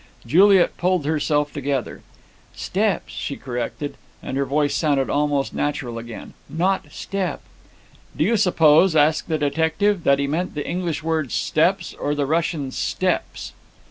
Juliet pulled herself together. "Steps," she corrected, and her voice sounded almost natural again. "Not step." "Do you suppose," asked the detective, "that he meant the English word, steps, or the Russian, steppes?"